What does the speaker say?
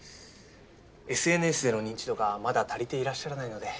ＳＮＳでの認知度がまだ足りていらっしゃらないので。